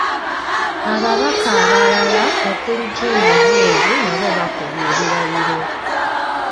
Ababaka abalala okuli Jim Muhwezi nabo bakubye ebirayiro.